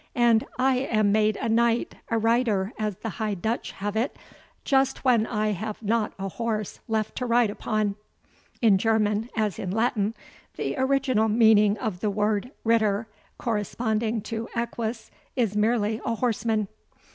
and I am made a knight, a rider, as the High Dutch have it, just when I have not a horse left to ride upon." [In German, as in Latin, the original meaning of the word Ritter, corresponding to Eques, is merely a horseman.